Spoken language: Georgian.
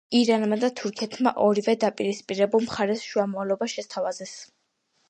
ირანმა და თურქეთმა ორივე დაპირისპირებულ მხარეს შუამავლობა შესთავაზეს.